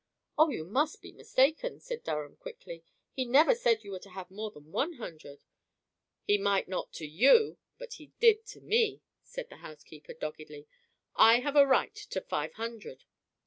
"Oh, you must be mistaken," said Durham, quickly. "He never said you were to have more than one hundred." "He might not to you, but he did to me," said the housekeeper, doggedly. "I have a right to five hundred."